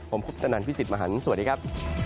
ผมคุปตนันพี่สิทธิ์มหันฯสวัสดีครับ